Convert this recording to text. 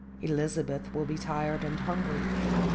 "Elizabeth will be tired and hungry.